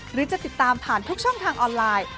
หรือจะติดตามผ่านทุกช่องทางออนไลน์